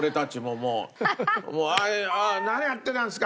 もう「何やってるんですか！